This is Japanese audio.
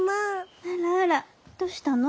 あらあらどうしたの？